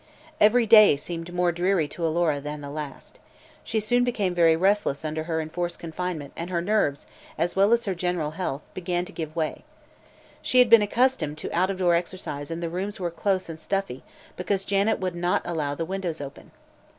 Every day seemed more dreary to Alora than the last. She soon became very restless under her enforced confinement and her nerves, as well as her general health, began to give way. She had been accustomed to out of door exercise, and these rooms were close and "stuffy" because Janet would not allow the windows open.